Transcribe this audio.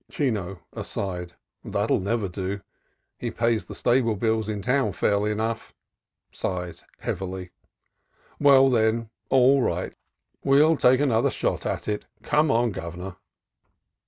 Chino {aside). "That'll never do: he pays the stable bills in town fairly enough." (Sighs heavily.) "Well, then, all right: we'll take another shot at it. Come on, Governor."